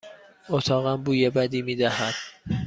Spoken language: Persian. اتاقم بوی بدی می دهد.